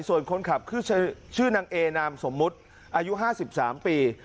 ส่วนคนขับคือชื่อนางเอนามสมมุติอายุ๕๓ปี